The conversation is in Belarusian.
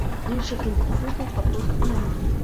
Іншых інстытутаў папросту няма.